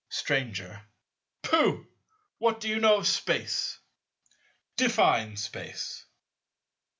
Stranger. Pooh! what do you know of Space? Define Space.